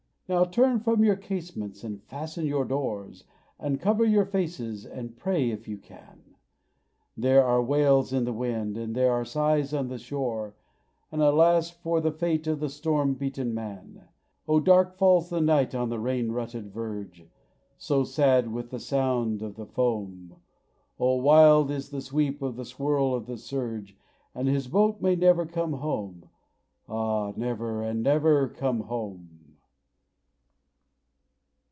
Now turn from your casements, and fasten your doors, And cover your faces, and pray, if you can; There are wails in the wind, there are sighs on the shores, And alas, for the fate of a storm beaten man! Oh, dark falls the night on the rain rutted verge, So sad with the sound of the foam! Oh, wild is the sweep and the swirl of the surge; And his boat may never come home! Ah, never and never come home!